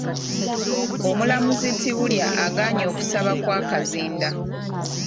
Omulamuzi Tibulya agaanye okusaba kwa Kazinda.